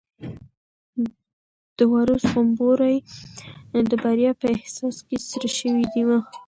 د وارث غومبوري د بریا په احساس کې سره شوي وو.